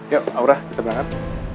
yuk aura kita berangkat